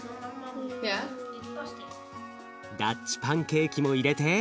ダッチパンケーキも入れて。